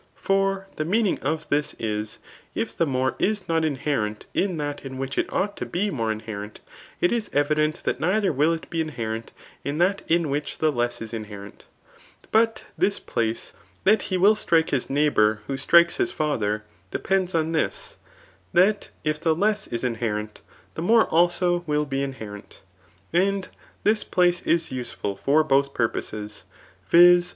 For the mean^ hig of this is, if the more is not inherent in that in which it ought to be tnote inher^it, it is evident that neither will it be inherent in that in which the less is inherent^ But this place, that he will strike his ndghbour who strikes his father, depends on this, that if the less is inhe rent, the more also will be idherent.^ And this place b useful for both purposes ; viz.